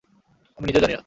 আমি নিজেও জানি না।